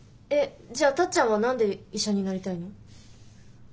えっじゃあタッちゃんは何で医者になりたいの？